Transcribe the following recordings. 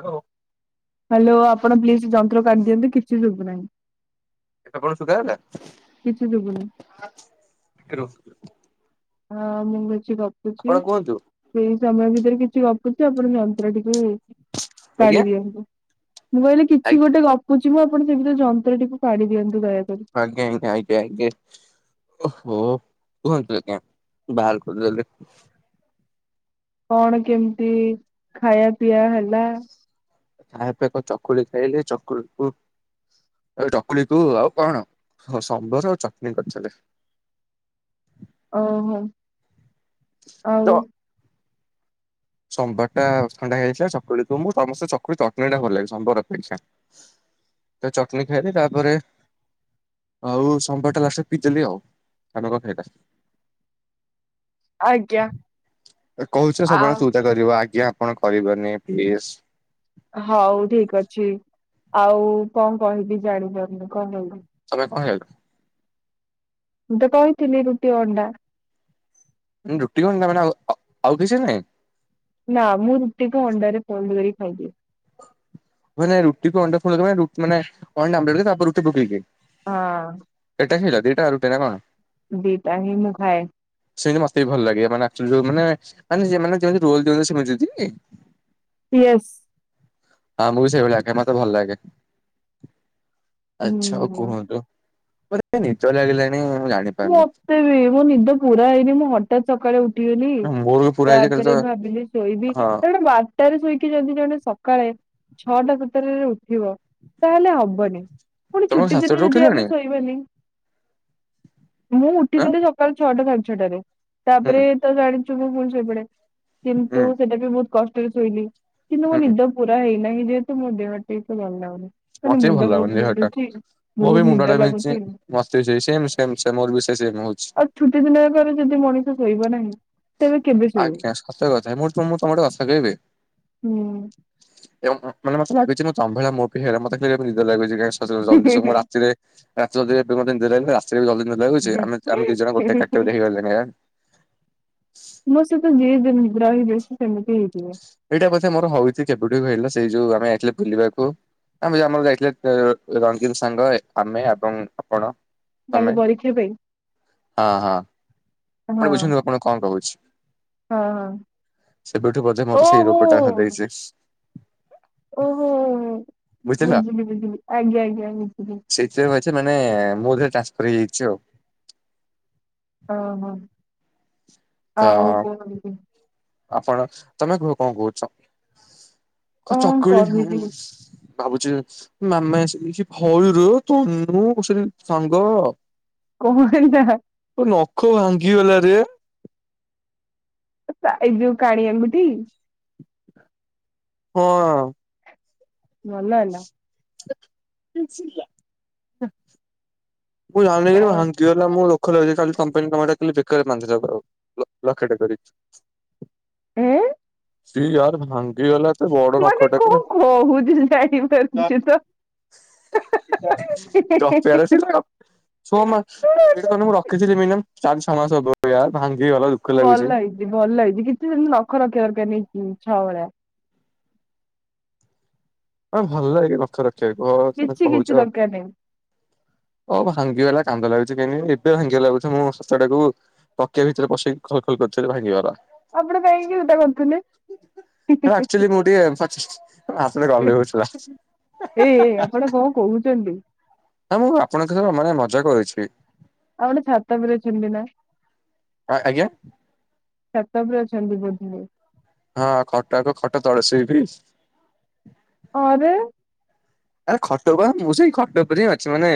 Hello. Hello ଆପଣ please ଯନ୍ତ୍ର କାଡି ଦିଅନ୍ତୁ କିଛି ସୁଭୁ ନାହିଁ। ଆପଣଙ୍କୁ ସୁଧା ଗଲା ଟିକେ ରୁହନ୍ତୁ ଟିକେ। ହଁ ମୁଁ କିଛି ଗପୁଛି ସେଇ ସମୟ ଭିତରେ କିଛି ଗପୁଛି ଆପଣ ଯନ୍ତ୍ର ଟିକେ ଆଜ୍ଞା କାଢି ଦିଅନ୍ତୁ। ମୁଁ କହିଲି କିଛି ଗୋଟେ ଗପୁଚି ମ ଆପଣ ସେ ଭିତରେ ଯନ୍ତ୍ରଟିକୁ କାଢି ଦିଅନ୍ତୁ ଦୟା ଆଜ୍ଞା ଆଜ୍ଞା ଆଜ୍ଞା ଆଜ୍ଞା ଓହୋ। କୁହନ୍ତୁ ଆଜ୍ଞା ବାହାର କରିଦେଲି। କଣ କେମିତି ଖାଇବା ପିଇଆ ହେଲା। ତାପରେ ତ କଣ ଚକୁଳି ଖାଇଲେ ଚକୁଳିକୁ ଏ ଚକୁଳି କୁ ଆଉ କଣ ସମ୍ବର ଆଉ ଚଟଣି କରିଥିଲେ। ଓହୋ ଆଉ। ସମ୍ୱର୍ଟା ଥଣ୍ଡା ହେଇଯାଇଥିଲା ଚକୁଳି ମୁଁ ସମସ୍ତେ ଚକୁଳି ଚଟଣୀ ଟା ଭଲ ଲାଗେ ସମ୍ୱର୍ ଅପେକ୍ଷା। ତ ଚଟଣିୀ ଖାଇଲି ତାପରେ ଆଉ ସୋମ୍ୱର୍ଟା ଲାଷ୍ଟ କୁ ପିଦେଲି ଆଉ ତମେ କଣ ଖାଇଲ। [inaudible] କହୁଛ ଆଉ ସବୁବେଳେ ତୁତା କରିବ ଆଜ୍ଞା ଆପଣ କରିବନି ପ୍ଲିସ୍। ହଉ ଠିକ୍ ଅଛି। ଆଉ କଣ କହିବି ଜାଣିପାରୁନି। କଣ କହିବି। ତମେ କଣ ଖାଇଲ ମୁଁ ତ କହିଥିଲି ରୁଟି ଅଣ୍ଡା। ରୁଟି ଅଣ୍ଡା ମାଡ ଆ ଆଉ କିଛି ନାଇଁ। ନା ମୁଁ ରୁଟିକୁ ଅଣ୍ଡରେ ଫୋନ କରିକି ଖାଇଦିଏ। ମାନେ ରୁଟିକୁ ଅଣ୍ଡା ଖୋଳରେ ମାନେ ରୁ ଅଣ୍ଡା ଆମ୍ଲେଟ ତାପରେ ରୁଟି ପକେଇବେ। ହଁ। [unintelligible] ଦିଟା ରୁଟି ନା କଣ ଦିଟା ହି ମୁ ଖାଏ। ସେମିତି ମତେ ବି ଭଲ ଲାଗେ। ମାନେ ଅକ୍ଚୁଆଲୀ ମାନେ ଯେମିତି ରୋଲ୍ ଦିଅନ୍ତି ସେମିତି ଦିଆନ୍ତିନିକି। ୟେସ୍। ହଁ ମୁଁ ବି ସେଇଭଳିଆ। ଆଜ୍ଞା ମତେ ଭଲ ଲାଗେ ଆଛା ଆଉ ହୁଁ କୁହନ୍ତୁ। ମତେ କାହିଁ ନିଦ ଲାଗିଲାଣି। ମୁଁ ଜାଣିପାରୁନି ମତେ ବି ମୋ ନିଦ ପୁରା ହେଇନି ମୁଁ ହଠତ୍ ସକାଳେ ଉଠି ଠିଲି ମୋର ବି ପୁରା ହେଇଛି କାଲି ତ ତାପରେ ଭାବିଲି ଶୋଇବି ହଁ ତାଟେ ବାରଟାରେ ଶୋଇ କି ଯଦି ଜଣେ ସକାଳେ ଛଅଟା ଭିତରରେ ଉଠିବ ତାହେଲେ ହବନି। ପୁଣି ତମେ ଛୁଟି ଦିନ ସାତଟାରୁ ଯଦି ଉଠିଲଣି ଆମେ ଶୋଇବାନି। ମୁଁ ଆଁ ଉଠିଥିଲି ସକାଳ ଛଅଟା ସାଢେ ଛଅଟାରେ! ହୁଁ ତାପରେ ତ ଜାଣିଛୁ ମୁ ପୁଣି ଶୋଇପଡ଼େ। ହୁଁ କିନ୍ତୁ ସେଇଟା ବି ବହୁତ କଷ୍ଟରେ ଶୋଇଲି। କିନ୍ତୁ ମୋ ହୁଁ ନିଦ ପୁରା ହେଇନାହିଁ। ଯେହେତୁମୋ ଦେହ ଟିକେ ଭଲ ଲାଗୁନି। ମାନେ ମତେ ବି ଭଲ ମୁଣ୍ଡ ଲାଗୁନି ବହୁତ ଦେହଟା ବିନ୍ଧୁଚି ମୋ ବି ବହୁତ ମୁଣ୍ଡ ଟା ନିଦ ବିନ୍ଧୁଛି ଲାଗୁଛି। ମତେ ବି ସେଇ ସେମ୍ ସେମ୍ ମୋର ବି ସେଇ ସେମ୍ ହଉଛି। ଆଉ ଛୁଟି ଦିନ ୟାପରେ ଯଦି ମଣିଷ ଶୋଇବ ନା ନାହିଁ। ତେବେ କେବେ ଶୋଇବ? ଆଜ୍ଞା ସତରେ କଥା ମୁଁ ତୁ ମୁଁ ତୁମକୁ ଗୋଟେ କଥା କହିବି। ହୁଁ। ମାନେ ମତେ ଲାଗୁଚି ମୁଁ [unintelligible] ଏତେ ଜଲଦି ନିଦ ଲାଗୁଛି ଆ ଆମେ ଦି ଜଣ ଗୋଟେ କଟଗୋରି ହେଇଗଲେଣି ଆଁ। ମୋ ସହିତ ଯିଏବି ଏମି ରହିବେ ସେମିତି ହେଇଯିବେ। ଏଇଟା ବୋଧେ ମୋର ହଉଛି କେବେଠୁ ଏବେ ହେଇଥିଲା ଯୋଉ ଆମେଯାଇଥିଲେ ବୁଲିବାକୁ। ଆମେ ଆମର ଯାଇଥିଲେ ଅ ରଙ୍ଗୀନ୍ ସାଙ୍ଗ ଆମେ ଏବଂ ଆପଣ। ତମେ ଗଲି ବରୀକ୍ଷା ପାଇଁ। ହଁ ହଁ ହଁ ଆପଣ ବୁଝନ୍ତୁ ହଁ ଆପଣଙ୍କୁ କଣ କହୁଛି? ହଁ। ସେବେଠୁ ବୋଧେ ମୋର ସେଇ ଓହୋ ରୋଗଟା [unintelligible] ଓ ହୋ ଓ ହୋ ବୁଝିଲ। ବୁଝିଲି ବୁଝିଲି ଆଜ୍ଞା ଆଜ୍ଞା ବୁଝିଲି। ଯେ ମାନେ ମୋ ଦିହରେ ଟ୍ରାନ୍ସଫର୍ ହେଇଯାଇଛି ଆଉ। ଓ ହୋ ତ ଆଉ [unintelligible] ଆପଣ ତମେ କୁହ କଣ କହୁଛ କ କଣ ଚକୁଳି କହିବି ହୁମ୍। ଭାବୁଛି [unintelligible] ସାଙ୍ଗ। କଣ ହେଲା? ତୋ ନଖ ଭାଙ୍ଗିଗଲାରେ। ଏଇ ଯୋଉ କାଣିଆଙ୍ଗୁଠି। ହଁ। ଭଲ ହେଲା। [unintelligible] ମୁଁ ଜାଣିନି କଣ ଭାଙ୍ଗିଗଲା ମୁଳୁ ଦୁଃଖ ଲାଗୁଚି ଯଦି ତାହାଲେ ତମ ପାଇଁ କଣ ଗୋଟେ ବେକରେ ବାନ୍ଧି ଦେବ ଆଉ ଲକେଟେ କରି। ଏଁ। ସି ୟାର ଭାଙ୍ଗିଗଲା। ଏତେ ବଡ ମାନେ ନଖଟା କେ କଣ କହୁଛୁ ସିଏ ଜାଣି ପାରୁଛୁ ତ? ହେ- ହେ - ହେ ଗପିଆର ଅଛି ତ। ସୋମା ଏଇଟା ତାହେଲେ ମୁଁ ରଖିଥିଲି ମିନୀୟମ ଚାରି ଛଅ ମାସ ହବ ୟାର୍ ଭାଙ୍ଗିିଗଲା ଦୁଃଖ ଭଲ ଲାଗୁଛି। ହେଇଛି ଭଲ ହେଇଛି କିଛି ଗୋଟେ ନଖ ରଖିଆ ଦରକାର ନାହିଁ ଛୁଆ ଭଳିଆ। ହଁ ମତେ ଭଲ ଲାଗେ ନଖ ରଖିବାକୁ ଓ ତମେ କିଛି କିଛି କହୁଛ। ଦରକାର ନାହିଁ ଓ ଭାଙ୍ଗିଗଲା କାନ୍ଦ ଲାଗୁଛି କାହିଁକି ନା ଏବେ ଭାଙ୍ଗିବା ଲାଗୁଛି ମୁଁ ଶସ୍ତତାଟାକୁ ଟକିଆ ଭିତରେ ପସେଇ ଖଲ ଖଲ [unintelligible] ଭାଙ୍ଗିଗଲା। ନା ଆପଣ କାହିଁକି ଓଦା କରୁଥିଲେ? ନା ଆକଚୁଆଲି ମୁଁ ଟିକେ [unintelligible] ଏ ଗଲେଇ ହଉଥିଲା - ଏ ଏଇ ଆପଣ କଣ କହୁଛନ୍ତି? ନା ମୁଁ ଆପଣଙ୍କ ସହିତ ମାନେ ମଜା କରୁଛି। ଆପଣ ଛାତ ଉପରେ ଅଛନ୍ତି ନା। ହଁ ଆଜ୍ଞା। ଛାତ ଉପରେ ଅଛନ୍ତି ବୋଧେ। ହଁ ଖଟାକ ଖଟ ତଳେ [unintelligible] ଆରେ। ଆରେ ଖଟ ପା ମୁଁ ସେଇ ଖଟ ଉପରେ ହିଁ ଅଛି ମାନେ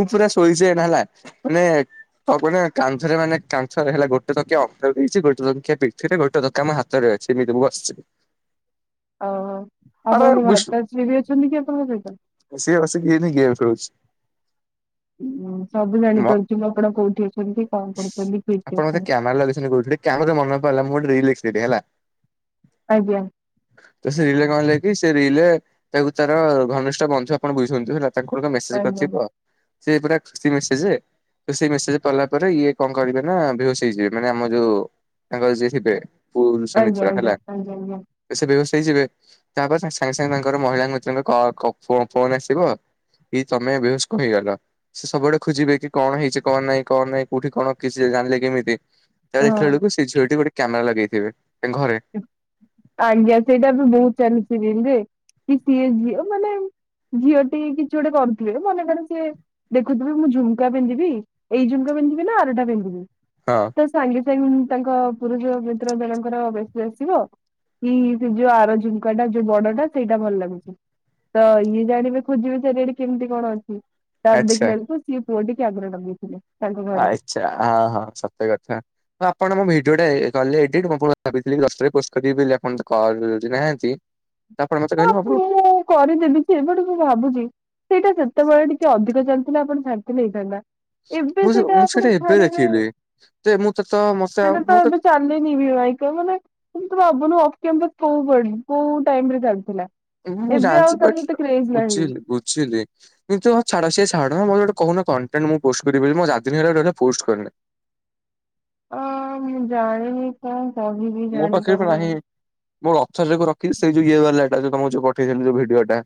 ମୁଁ ପୁରା ଶୋଇଛି ଏଇନା ହେଲା ମାନେ ଛାତ ଉପରେ ମାନେ କାନ୍ଧରେ ମାନେ କାନ୍ଥରେ ହେଲା ଗୋଟେ ତକିଆ ଅଣ୍ଟାରେ ଦେଇଛି ଗୋଟେ ତକିଆ ପିଠିରେ ଗୋଟେ ତକିଆ ମୋ ହାତରେ। [unintelligible] ଓ ଆରେ ଆପଣଙ୍କ ବିଷ୍ଣୁ ମାତାଶ୍ରୀ ବି ଅଛନ୍ତି କି ଆପଣଙ୍କ ପା ସିଏ ବସିକି ଏଇନା ଗେମ୍ ଖେଳୁଛି। ମୁଁ ସବୁ ଜାଣିପାରୁଛି ମୁଁ ଆପଣ କୋଉଠି ଅଛନ୍ତି? କଣ କରୁଛନ୍ତି? କିଏ କିଏ ଅଛନ୍ତି? କହୁଥିଲି କାହା କଥା ମନେପଇଲା ମୁଁ ଗୋଟେ ରିଲ୍ ଦେଖିଦେଲି ହେଲା। ଆଜ୍ଞା ତ ସେ ରିଲେରେ କଣ ହେଲା କି ସେ ରିଲରେ ତାକୁ ତାର ଘନିଷ୍ଠ ବନ୍ଧୁ ଆପଣ ବୁଝଛନ୍ତି ହେଲା ତାଙ୍କର ମେସେଜ ଆଜ୍ଞା କରିଥିବ ସେ ପୁରା ଖୁସି ମେସେଜ ତ ସେଇ ମସେଜ କଲା ପରେ ଇଏ କଣ କରିବେ ନା ବେହୋସ ହେଇଯିବେ। ମାନେ ଆମ ଯୋଉ ତାଙ୍କର ଯିଏ ହେବେ ପୁନ୍ ସେ ଆଜ୍ଞା ମିତ୍ରା ଆଜ୍ଞା ହେଲା। ଆଜ୍ଞା ଆଜ୍ଞା ସେ ବେହୋସ ହେଇଯିବେ ତାପରେ ସାଙ୍ଗେ ସାଙ୍ଗେ ତାଙ୍କର ମହିଳା ମିତ୍ରଙ୍କ-ଙ୍କ-କ ଫୋନ ଆସିବ ଏଇ ତମେ ବେହୋସ କଣ ହେଇଗଲ। ସେ ସବୁବେଳେ ଖୋଜିବେ କି କଣ ହେଇଛି କଣ ନାଇଁ କଣ ନାଇଁ କୋଉଠି କଣ କି ସିଏ ଜାଣିଲେ କେମିତି? ତା ପରେ ହଁ। ଦେଖିଲା ବେଳକୁ ସେ ଝିଅଟି ଗୋଟେ କ୍ୟାମେରା ଲଗେଇଥିବେ। ତାଙ୍କ ଘରେ ଆଜ୍ଞା ସେଇଟା ତ ବହୁତ ଚାଲିଛି ରିଲ୍ ରେ। ସିଏ କିଏ ଝିଅ ମାନେ ଝିଅଟି କିଛି ଗୋଟେ କରୁଥିବେ ମନେ କର ସିଏ‌ ଦେଖୁଥିବି ମୁଁ ଝୁମ୍କା ପିନ୍ଧିବି ଏଇ ଝୁମ୍କା ପିନ୍ଧିବି ନା ଆରଟା ପିନ୍ଧିବି। ହଁ ତ ସାଙ୍ଗେ ସାଙ୍ଗେ ତାଙ୍କ ପୁରୁଷ ମିତ୍ର ଜଣଙ୍କର ବ ଆଜି ଆସିବ କି ସେ ଯୋଉ ଆର ଝୁମକା ଟା ଯୋଉ ବଡଟା ସେଇଡା ଭଲ ଲାଗୁଛି। ତ ଇଏ ଜାଣିବେ ଖୋଜିବେ ଚାରିଆଡ଼େ କେମିତି କଣ ଅଛି। ତାପରେ ଆଚ୍ଛା ଦେଖିଲା ବେଳକୁ ସିଏ ପୁଅ ଟି କି ଆଗରେ ଲଗେଇଥିଲେ। ତାଙ୍କ ଘରେ ଆଚ୍ଛା ହଁ ହଁ ସତକଥା ହଁ ଆପଣ ମୋ ଭି ଡ଼ିଓଟା ଏ କଲେ ଏଡିଟ୍ ମୁଁ ପୁ ଭାବିଥିଲି କି ଦଶଟା ରେ ପୋଷ୍ଟ କରିଦେବି ବେଲି ଆପଣ ତ କଲ୍ ଉଠୋଉନାହାନ୍ତି। ହଁ ମୁଁ କରିଦେବିଯେ ବଟ୍ ମୁଁ ଭାବୁଚି ସେଇଟା ସେତୋବେଳେ ଟିକେ ଅଧିକ ଚାଲ୍ ଥିଲେ ଆପଣ ଶାନ୍ତି ନେଇଥାନ୍ତା। ଏବେ ମୁଁ ସେଟା ମୁଁ ଆପଣ ସେଇଟା ଏବେ ଛାଡିବେ ଦେଖିଲି ଯେ ମୁଁ ତ ତ ମତେ ଆଉ ସେଇଟା ତ ମତେ ଏବେ ଚାଲିନି ବି ପାଇଁ କଁ କହଁନା ତମ୍ ତମେ ଭାବୁନୁ ଆକେନ୍ କେମିତ୍ କୋଉ ଭଳି କୋଉ ଟାଇମରେ ଚାଲିଥିଲା। ଉଁ ମୁଁ ଏବେ ଜାଣିଛି ଆଉ ପା ତାର ଏତେ କ୍ରେଜ୍ ନାହିଁ। ବୁଝିଲି ବୁଝିଲି କିନ୍ତୁ ହଁ ଛାଡ ସେ ଛା ଡ ମୋର ଗୋଟେ କୋହୁନ କଣ୍ଟେଣ୍ଟ ମୁଁ ପୋଷ୍ଟ କରିବି ବୋଲି ମୁଁ ଚାର୍ ଦିନି ହେଲେ ଗୋଟେ ଗୋଟେ ପୋଷ୍ଟ କରିନି। ଅଁ ମୁଁ ଜାଣିନି କଁ କହିବି ଜାଣିପାରୁନାହିଁ। ମୁଁ ରଥ ଯାକୁ ରଖିଲି ସେଇ ଯୋଉ ଇଏ ବାଲାଟା ଯୋଉ ତମକୁ ଯୋଉ ପଠେଇଥିଲି ଯୋଉ ଭିଡିଓ ଟା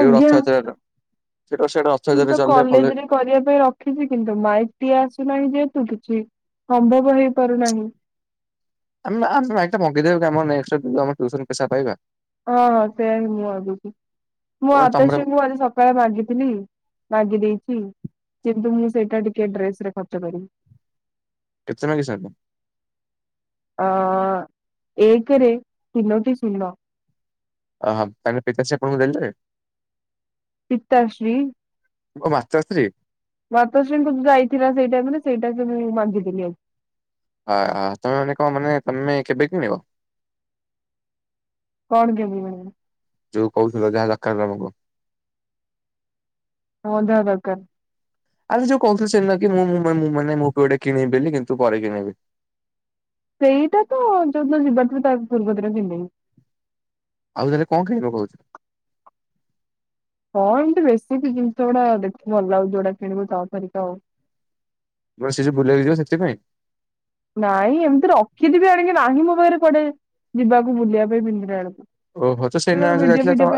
ଯୋଉ ରଥଯାତ୍ରାର ସେଟାକୁ ସେଟା ର ମୁଁ ତ କଲେଜେରେ କରିବା ପାଇଁ ରଖିଛି କିନ୍ତୁ ମାଇକ୍ ଟିଏ ଆସୁନାହିଁ ଯେହେତୁ କିଛି ସମ୍ଭବ ହେଇପାରୁନାହିଁ। ଆମ ଆମ ମାଇକଟା ମଗେଇଦେବେ ଆମ ନେଷ୍ଟ ଯୋଉ ଟିୟୁସନ ପଇସା ପାଇବା। ଅହଁ ସେୟା ବି ମୁଁ ଭାବୁଚି। ମୁଁ ଓ ତମର ଆତାଶ୍ରୀଙ୍କୁ ଆଜି ସକାଳେ ମାଗିଥିଲି ମାଗି ଦେଇଚି। କିନ୍ତୁ ମୁଁ ସେଇଟା ଟିକେ ଡ୍ରେସ ରେ ଖର୍ଚ୍ଚ କରିବି। [unintelligible] ଅଁ ଏକେରେ ତିନୋଟି ଶୂନ। ଅହଁ ମାନେ ପିତାଶ୍ରୀ ଆପଣଙ୍କୁ ଦେଲେ। ପିତାଶ୍ରୀ ଓଃ ମାତାଶ୍ରୀ। ମାତାଶ୍ରୀଙ୍କୁ ଯାଇଥିଲା ସେଇ ଟାଇମରେ ସେଇଡା ସିଏ ମୁଁ ମାଗିଥିଲି ଆଉ ଅହଁ ତମେ ମାନେ କଁ ମାନେ ତମେ କେବେ କିଣିବ। କଣ କେବେ ମାନେ। ଯୋଉ କହୁଥିଲ [unintelligible] ମୋ ଦରକାର ଆରେ ଯୋଉ କୋହୁଥୁଲୁ ସେଦିନ କି ମୁଁ ମୁଁ ମା ମୁଁ ମାନେ ମୁଁ ବି ଗୋଟେ କିଣିବ ବୋଲିି କିନ୍ତୁ ପରେ କିଣିବି ସେଇଟା ତ ଯୋଉଦିନ ଯିବାରଥିଲା ତା ପୂର୍ବଦିନ କିଣିଦେବି। ଆଉ ତାହେଲେ କଁ କିଣିବ କୋହୁଥୁଲୁ। ହଁ ଏମିତି ବେଶିକ ଜିନ୍ସ ଗୁଡା ଦେଖିବି ଭଲ ଲାଗୁଚି ଯୋଉଡା କିଣିବି ତାପରିକା ଆଉ। ମୁଁ କହିଲି ସେ ଯୋଉ ବୁଲିବାକୁ ଯିବ ସେଥିପାଇଁ। ନାଇଁ ଏମିତି ରଖିଥିବି ଆଣିକି ନାହିଁ ମୋ ପାଖରେ କୁଆଡ଼େ ଯିବାକୁ ବୁଲିବା ପାଇଁ ପିନ୍ଧିଲାବେଳକୁ ଓହୋ ତ ସେଦିନ ଆମେ ଯୋଉ ଯାଇଥିଲେ ତ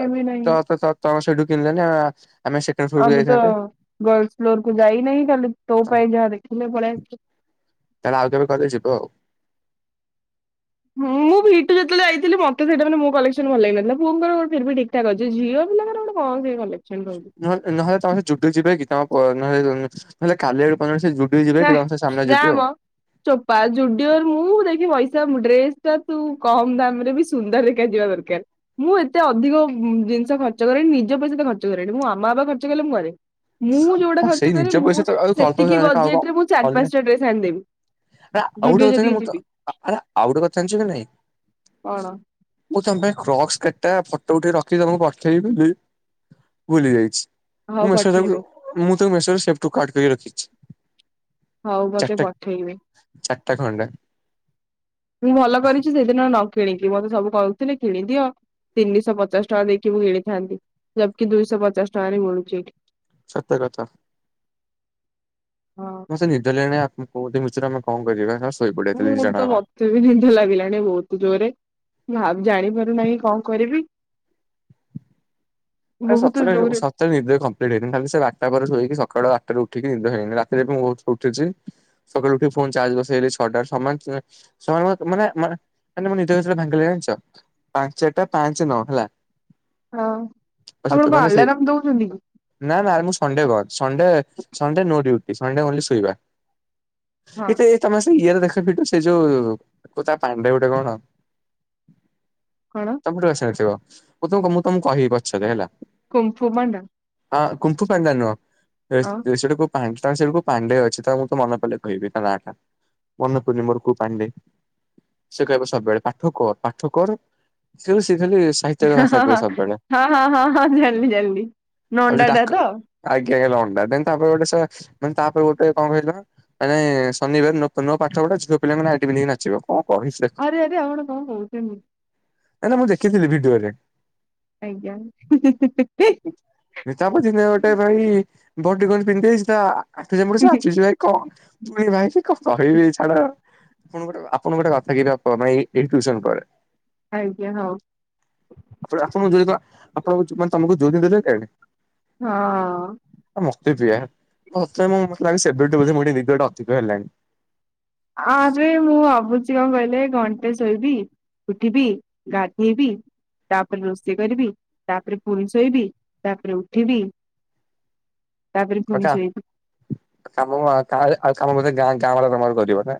ତ ନାହିଁ ତ ତ ତ ସେଇଠୁ କିଣିଲେନି ଆମେ ଆମେ ସେକେଣ୍ଡ ସୋ କୁ ଆମେ ତ ଗର୍ଲ୍ସ ଫ୍ଲୋରକୁ ଯାଇନେହିଁ ଖାଲି ତୋ ପାଇଁ ଯାହା ଦେଖିଲେ ପଳେଇଆ ତାହାଲେ ଆଉ କେବେ କହିଲେ ଯିବ ଆଉ। ହୁଁ ମୁଁ ମୁଁ ଭି ଟୁ ଯେତୋବେଳେ ଯାଇଥିଲି ମତେ ସେଇଟା ମାନେ ମୋ କଲେକ୍ସନ ଭଲ ଲାଗିନଥିଲା ପୁଅଙ୍କର ଗୋ ଫିର୍ ଭୀ ଠିକ୍ ଠାକ୍ ଅଛି ଝିଅ ପିଲାଙ୍କର ଗୋଟେ କଁ କି କଲେ ନହେଲେ ନହେଲେ ତମେ ସେ ଯୁଡ଼ିଓ ଯିବାକି ତମ ପ ନହେଲେ ନହେଲେ କାଲି ଆଡ଼କୁ କୋ ହେଁ ଜାମ ଚୋପା ଯୁଡ଼ିଓରୁ ମୁଁ ଦେଖି ପାଇସ୍ ସା ମୁଁ ଡ୍ରେସ ଟା ତୁ କମ ଦାମରେ ବି ସୁନ୍ଦର ଦେଖା ଯିବା ଦରକାର ମୁଁ ଏତେ ଅଧିକ ଉଁ ଦିନିଷ ଖର୍ଚ୍ଚକରେନି ନିଜ ପଇସା ତ ଖର୍ଚ୍ଚ କରେଣି ମୁଁ ମୋ ମାମା ବାବା ଖର୍ଚ୍ଚ କଲେ ମୁଁ କରେ। ମୁଁ ଯୋଉଡା ହଁ ଖର୍ଚ୍ଚ ସେଇ କରେ ନିଜ ମୁଁ ପଇସା ତ ଆଉ ଅଳ୍ପ ସେତିକି ବଜେଟରେ ମୁଁ ଚାରି ପାଞ୍ଚଟା ଡ୍ରେସ ଆଣିଦେବି। ଆ ଆଉ ଗୋଟେ ଜୁଡିଓ କଥା ଯଦି ଜାଣି ମୁଁ ତ ଯିବି ଆ ଆରେ ଆଉ ଗୋଟେ କଥା ଜାଣିଚୁ ନା ନାହିଁ। କଣ ମୁଁ ତମ ପାଇଁ କ୍ର [unintelligible] ଫଟୋ ଉଠେଇକି ରଖିଚି ତମକୁ ପଠେଇବି ବେଲି ଭୁଲି ଯାଇଛି। ମୁଁ ହଉ ମେସେଜ ତାକୁ ପଠେଇବ। ମୁଁ ତ ମେସରୁ ସେଟୁ କାଟ କରି ରଖିଛି। ହୋଉ ମୋତେ ଚାରିଟା ପଠେଇବେ। [inaudible] ମୁଁ ଭଲ କରିଛି ସେଇଦିନ ନ କିଣିକି ମତେ ସବୁ କହୁଥିଲେ କିଣି ଦିଅ। ତିନିଶହ ପଚାଶ ଟଙ୍କା ଦେଇକି ମୁଁ କିନିଥାନ୍ତି [inaudible] ଦୁଇଶହ ପଚାଶ ଟଙ୍କାରେ ମିଳୁଛି ଏଠି। ସତ କଥା। ହଁ ମସେ ନିଦ ଲାଗିଲାଣି ଆ କମ୍ କଉତି ମିଚରେ ଆମେ କଣ କରିବା ହର୍ଷ ମୁଁ ତ ମତେ ବି ନିଦ ଲାଗିଲାଣି ବହୁତ ଜୋରେ ଭା ଜାଣିପାରୁନାହିଁ କ'ଣ କରିବି। ଆରେ ବହୁତ ସତରେ ଜୋରେ ସତରେ ନିଦ କମ୍ପ୍ ଲିଟ୍ ହେଇନି ଖାଲି ସେ ବାର୍ ଟା ପରେ ଶୋଇକି ସଖାଳ ଆ ତାପେ ଉଠିକି ନି ରାତି ଯାକ ମୁଁ ଉଠିଛି ସକାଳୁ ଉଠି ଫୋନ୍ ଚାର୍ଜ ବସେଇଲି ଛଟା ସମାନ୍ [unintelligible] ଶହେ ୱେକ୍ ମାନେ ମା ମାନେ ମୋ ନିଦ [unintelligible] ଭାଙ୍ଗିଲାଗ ଜାଣିଚ? ପାଞ୍ଚଟା ପାଞ୍ଚ ନଅ ହେଲା। ହଁ ଆପଣ ଅସିତ କଣ ମାନେ ସେ ଆଲାରାମ ଦଉଛନ୍ତି କି? ନା ନା ଆରେ ମୁଁ ସଣ୍ଡେ କର ସଣ୍ଡେ ସଣ୍ଡେ ନୋ ଡିଉଟି। ଏ ସମୟ ଟା ଓନ୍ଲି ଶୋଇବା। ହଁ ଏ ତେ ଏ ତମର ସେ ଇଏର ଦେଖ୍ [unintelligible] ସେ ଯୋଉ ତୋ ତା ପାଣ୍ଡେ ଗୋଟେ କଣ? କଣ କେମିତି ଏଠେ ଆସିବ? ମୁଁ ତମକୁ ମୁଁ ତମକୁ କହିବି ପଛରେ ହେଲା। କୁମ୍ଫୁ ମାଣ୍ଡା। ହଁ କୁମ୍ପୁ ପାଣ୍ଡେ ନୁଅଁ ହେସ୍ ତେସୁଟାକୁ ପାଁସ୍ ଟା ହେଇସାରିଲାକୁ ପାଣ୍ଡେ ଅଛି ତ ମୁଁ ତୁ ମନେ ପଡିଲେ କହିବି ତା ନାଁ ଟା। ମନକୁ ନିମରକୁ ପାଣ୍ଡେ। ସେ କହିବ ସବୁବେଳେ ପାଠ କର୍ ପାଠ କର୍ ସେ ସିଏ ଖଲି ସାହିତ୍ୟରେ ଭାଷା କୁହେ ସବୁବେଳେ। ହଁ ହଁ ହଁ ହଁ ଜାଣିଲିି ଜାଣିଲିି ନଣ୍ଡାଟା ତ। ଘେ ଲଗ୍ ଡା ଦେନ୍ ତାପରେ ଗୋଟେ ସା ମାନେ ତାପରେ ଗୋଟେ କଣ କହିଲ ମାନେ ଶନିବାର ନୂଆ ପ୍ ନୂଆ ପାଠ ଗୋଟେ ଝିଅ ପିଲାମାନେ ନାଇଟୀ ପିନ୍ଧିକି ନାଚିବ। କଣ କହିଛି ତାକୁ ଆରେ ଆରେ ଆପଣ କଣ କଉଚନ୍ତି? ଆରେ ମୁଁ ଦେଖିଥିଲି ଭିଡିଓରେ। ଆଜ୍ଞା। ତାପ ଦିନେ ଗୋଟେ ଭାଇ ଭଡି ଗଞ୍ଜି ପିନ୍ଧି ଦେଇଚି ତା ଆ [inaudible] ଆପଣ ଗୋଟେ ଆପଣ ଗୋଟେ ବାପା କି ବାପ ମ ଏହି ଏହି ଟିଉସନ ପରେ ଆଜ୍ଞା ହଉ ଆପଣ ଆପଣ [inaudible] ଆପଣ ଯୋଉଁ [inaudible] ହଁ। ମତେ ବି ୟାର୍ ମତେ ମୋ ମତେ ଲାଗେ ସେବେଠୁ ବୋଧେ ମୋଠି ନିଦ ଗୋଟେ ଅଥିକ ହେଲାଣି। ଆରେ ମୁଁ ଭାବୁଛି କଣ କହିଲେ ଘନ୍ ତେ ଶୋଇବି ଉଠିବି ଗାଧେଇବି। ତାପରେ ରୋଷେଇ କରିବି ତାପରେ ପୁଣି ଶୋଇବି ତାପରେ ଉଠିବି। ତାପରେ ପୁଣି ଅଜା ଶୋଇବି। କାମ କାଣ ହେଲେ [unintelligible] ଗାଁ ଗାଁ।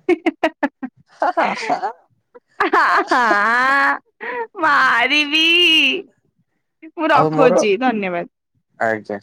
[unintelligible] [unintelligible] ମାରିବି। ମୁଁ ଆଉ ମୋର ରଖୁଛି ଧନ୍ୟବାଦ। ଆଜ୍ଞା।